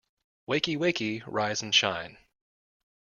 Wakey, wakey! Rise and shine!